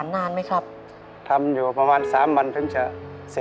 ร่างกายเข้ามาไปรอใช่มั้ย